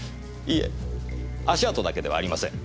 いいえ足跡だけではありません。